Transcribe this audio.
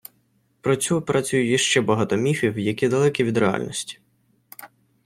Про цю операцію є ще багато міфів, які далекі від реальності.